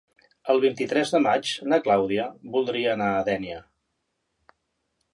El vint-i-tres de maig na Clàudia voldria anar a Dénia.